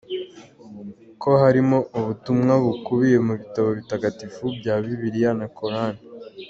com ko harimo ubutumwa bukubiye mu bitabo bitagatifu bya bibiliya na cor’an.